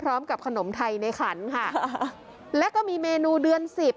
พร้อมกับขนมไทยในขันค่ะแล้วก็มีเมนูเดือนสิบ